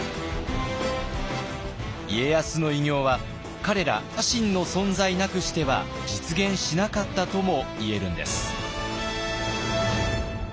家康の偉業は彼ら家臣の存在なくしては実現しなかったともいえるんです。